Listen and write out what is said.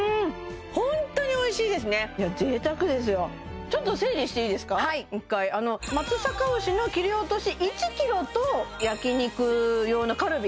ホントにおいしいですねいや贅沢ですよちょっと整理していいですか一回はい松阪牛の切り落とし１ｋｇと焼肉用のカルビ